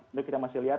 itu kita masih lihat